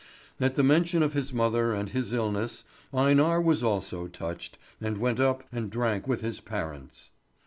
At the mention of his mother and his illness, Einar was also touched, and went up and drank with his parents.